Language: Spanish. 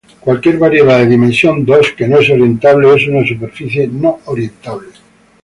Cualquier variedad de dimensión dos que no es orientable es una superficie no-orientable.